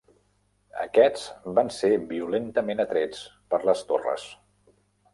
Aquests van ser violentament atrets per les Torres.